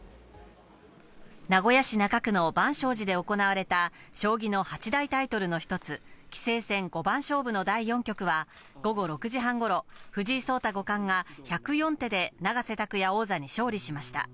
名古屋市中区の万松寺で行われた将棋の八大タイトルの一つ、棋聖戦五番勝負の第４局は、午後６時半ごろ、藤井聡太五冠が１０４手で永瀬拓也王座に勝利しました。